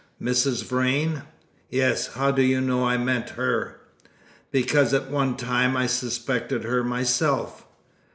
"Mrs. Vrain?" "Yes. How do you know I meant her?" "Because at one time I suspected her myself."